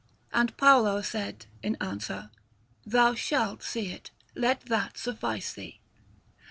And Paolo said in answer: "Thou shalt see it. Let that suffice thee."